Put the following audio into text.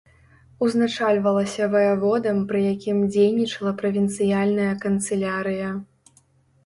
Узначальвалася ваяводам пры якім дзейнічала правінцыяльная канцылярыя.